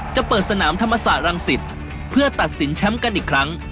จะเปิดสนามธรรมศาสตรังสิตเพื่อตัดสินแชมป์กันอีกครั้ง